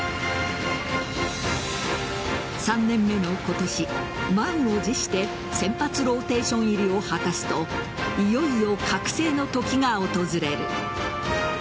３年目の今年満を持して先発ローテーション入りを果たすといよいよ覚醒の時が訪れる。